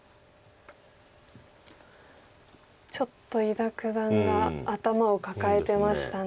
ちょっと伊田九段が頭を抱えてましたね